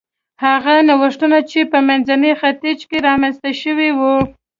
هغه نوښتونه چې په منځني ختیځ کې رامنځته شوي و